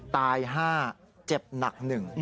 ตาย๕เจ็บหนัก๑